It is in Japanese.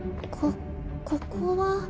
こここは？